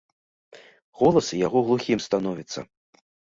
Голас яго глухім становіцца.